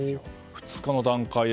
２日の段階で。